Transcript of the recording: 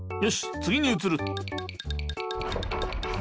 つぎにうつる。